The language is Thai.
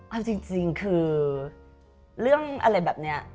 เอาจริงคือเรื่องอะไรแบบนี้